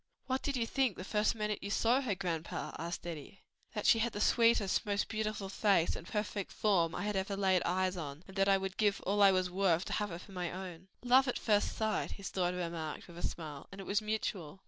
"What did you think the first minute you saw her, grandpa?" asked Eddie. "That she had the sweetest, most beautiful face and perfect form I had ever laid eyes on, and that I would give all I was worth to have her for my own." "Love at first sight," his daughter remarked, with a smile, "and it was mutual."